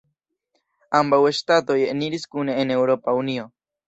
Ambaŭ ŝtatoj eniris kune en Eŭropa Unio.